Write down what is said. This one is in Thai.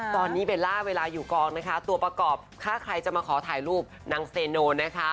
ตอนนี้เบลล่าเวลาอยู่กองนะคะตัวประกอบถ้าใครจะมาขอถ่ายรูปนางเซโนนะคะ